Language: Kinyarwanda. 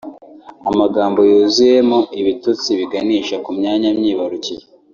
Amagambo yuzuyemo ibitutsi biganisha ku myanya myibarukiro